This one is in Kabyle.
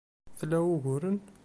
Tla uguren?